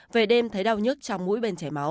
về đêm thấy đau nhất trong mũi bên chảy máu